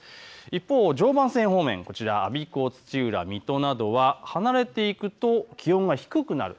一方、常磐線方面、我孫子、土浦、水戸などは離れていくと気温が低くなる。